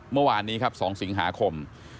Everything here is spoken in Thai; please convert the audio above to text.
เมื่อวานนี้ครับ๒สิงหาคม